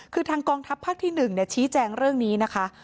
คือทางกองทัพภาคที่๑ชี้แจงเรื่องนี้นะคะ